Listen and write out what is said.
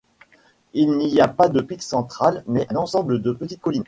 Il n'y a pas de pic central mais un ensemble de petites collines.